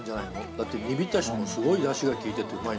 だって煮びたしもすごいだしがきいててうまい。